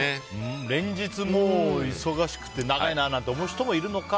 連日、忙しくて長いなって思う人もいるのか。